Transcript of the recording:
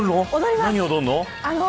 何を踊るの。